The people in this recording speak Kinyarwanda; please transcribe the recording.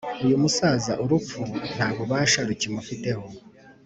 Uyumusaza urupfu nta bubasha rukimufiteho